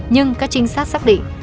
nhưng các trinh sát xác định